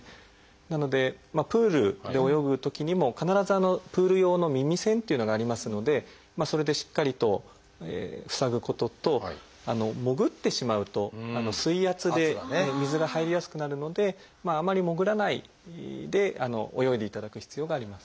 なのでプールで泳ぐときにも必ずプール用の耳栓っていうのがありますのでそれでしっかりと塞ぐことと潜ってしまうと水圧で水が入りやすくなるのでまああまり潜らないで泳いでいただく必要があります。